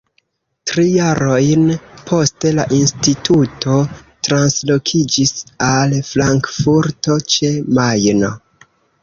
Tri jarojn poste la instituto translokiĝis al Frankfurto ĉe Majno.